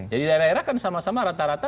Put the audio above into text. jadi daerah daerah kan sama sama rata rata